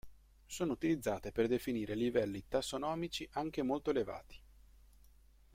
Sono utilizzate per definire livelli tassonomici anche molto elevati.